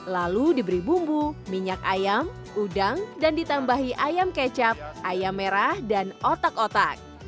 lalu diberi bumbu minyak ayam udang dan ditambahi ayam kecap ayam merah dan otak otak